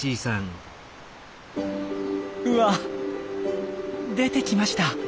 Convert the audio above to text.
うわ！出てきました。